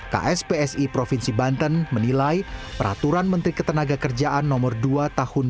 keputusan pemerintah aturan pencairan dana jaminan hadiah dan kegiatan kegiatan kegiatan